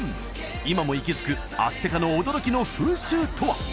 今も息づくアステカの驚きの風習とは？